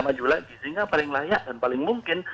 maju lagi sehingga paling layak dan paling mungkin